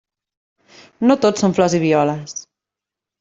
No tot són flors i violes.